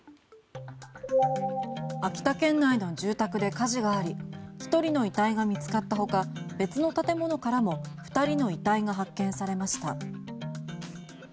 秋田県内の住宅で火事があり１人の遺体が見つかったほか別の建物からも２人の遺体が発見されました。